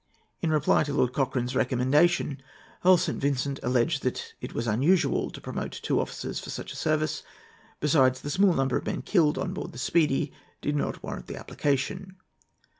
In reply to Lord Cochrane's recommendation, Earl St. Vincent alleged that "it was unusual to promote two officers for such a service,—besides which the small number of men killed on board the Speedy did not warrant the application."